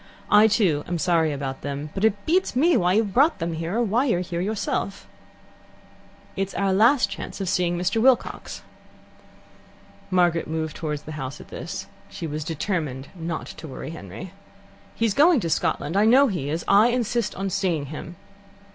"I, too, am sorry about them, but it beats me why you've brought them here, or why you're here yourself. "It's our last chance of seeing Mr. Wilcox." Margaret moved towards the house at this. She was determined not to worry Henry. "He's going to Scotland. I know he is. I insist on seeing him."